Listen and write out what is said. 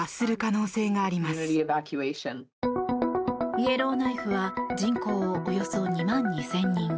イエローナイフは人口およそ２万２０００人。